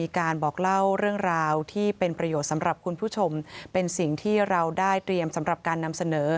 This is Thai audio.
การบอกเล่าเรื่องราวที่เป็นประโยชน์สำหรับคุณผู้ชมเป็นสิ่งที่เราได้เตรียมสำหรับการนำเสนอ